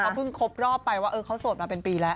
เขาเพิ่งครบรอบไปว่าเขาโสดมาเป็นปีแล้ว